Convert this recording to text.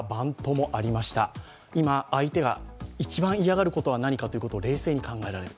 今、相手が一番嫌がることは何か冷静に考えられる。